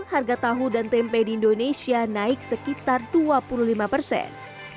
harga tahu dan tempe di indonesia naik sekitar dua puluh lima persen